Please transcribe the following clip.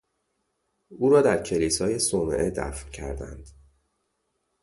او را در کلیسای صومعه دفن کردند.